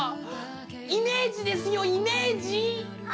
イメージですよイメージ！